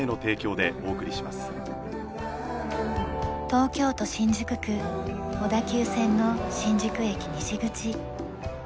東京都新宿区小田急線の新宿駅西口。